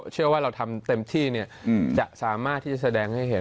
เชื่อว่าเราทำเต็มที่จะสามารถที่จะแสดงให้เห็น